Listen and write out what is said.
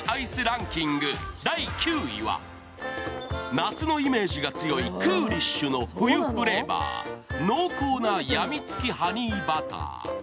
夏のイメージが強いクーリッシュの冬フレーバー、濃厚なやみつきハニーバター。